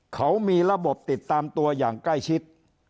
เขามีระบบติดตามตัวอย่างใกล้ชิด